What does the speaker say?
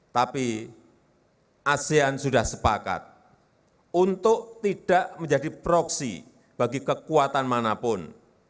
tapi asean sudah sepakat untuk tidak menjadi proksi bagi kekuatan manapun